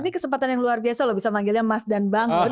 ini kesempatan yang luar biasa loh bisa manggilnya mas dan bang gun